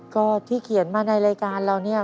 ก็ที่เขียนมาในรายการเราเนี่ย